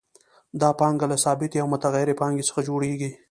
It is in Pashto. دا پانګه له ثابتې او متغیرې پانګې څخه جوړېږي